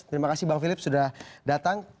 terima kasih bang philip sudah datang